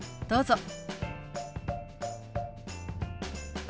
どうぞ。